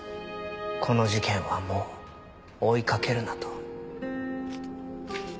「この事件はもう追いかけるな」と。